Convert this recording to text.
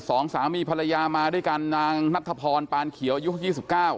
สองสามีปรายายมาด้วยกันนางนัตถพรปานเขียวยุคสิบเก้า